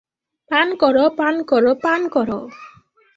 পান কর, পান কর, পান কর।